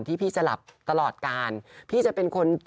ที่พี่จะหลับตลอดกาล